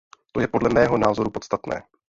To je podle mého názoru podstatné.